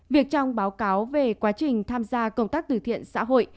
việc trong báo cáo về quá trình tham gia công tác từ thiện xã hội